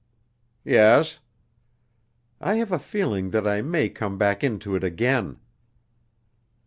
"Yes." "I have a feeling that I may come back into it again."